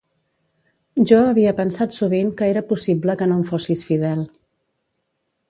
Jo havia pensat sovint que era possible que no em fossis fidel.